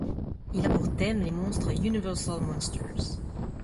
Il a pour thème les monstres Universal Monsters.